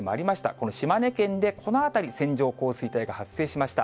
この島根県でこの辺り、線状降水帯が発生しました。